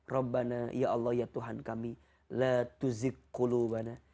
rabbana ya allah ya tuhan kami la tuzik qulubana